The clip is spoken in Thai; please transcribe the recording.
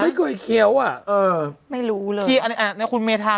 ไม่กลัวไอ้เคี้ยวอ่ะเออไม่รู้เลยอันเนี้ยอันเนี้ยคุณเมทา